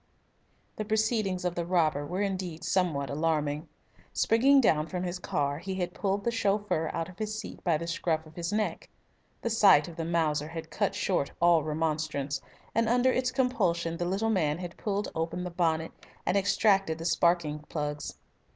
The proceedings of the robber were indeed somewhat alarming. Springing down from his car, he had pulled the chauffeur out of his seat by the scruff of his neck. The sight of the Mauser had cut short all remonstrance, and under its compulsion the little man had pulled open the bonnet and extracted the sparking plugs.